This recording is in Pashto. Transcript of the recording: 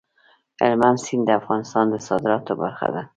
هلمند سیند د افغانستان د صادراتو برخه ده.